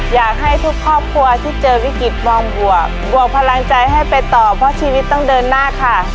อยากให้ทุกครอบครัวที่เจอวิกฤตมองบวกบวกพลังใจให้ไปต่อเพราะชีวิตต้องเดินหน้าค่ะ